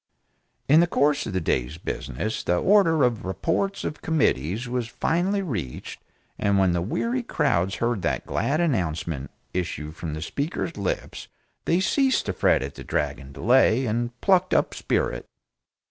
In the course of the day's business the Order of "Reports of Committees" was finally reached and when the weary crowds heard that glad announcement issue from the Speaker's lips they ceased to fret at the dragging delay, and plucked up spirit.